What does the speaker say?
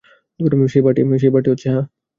সেই পার্টি হচ্ছে, হাহ?